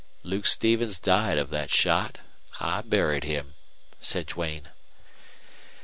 "Luke Stevens died of that shot. I buried him," said Duane.